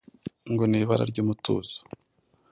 Ngo ni ibara ry’ umutuzo,